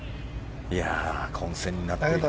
混戦になっていくのか。